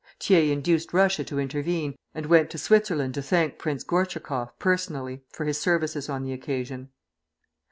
Thiers induced Russia to intervene, and went to Switzerland to thank Prince Gortschakoff personally for his services on the occasion.